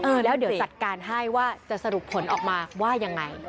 แล้วเดี๋ยวจัดการให้ว่าจะสรุปผลออกมาว่ายังไง